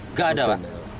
enggak ada pak